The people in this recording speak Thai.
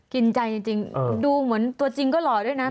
กินใจจริงดูเหมือนตัวจริงก็หล่อด้วยนะ